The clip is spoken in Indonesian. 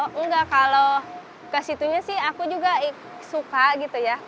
oh enggak kalau ke situnya sih aku juga suka gitu ya